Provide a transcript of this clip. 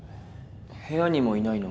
部屋にもいないの？